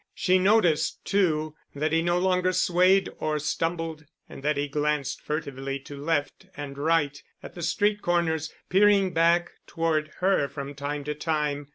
She noticed too that he no longer swayed or stumbled and that he glanced furtively to left and right at the street corners, peering back toward her from time to time.